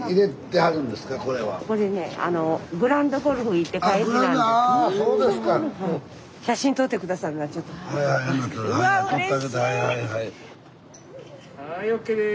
はいＯＫです。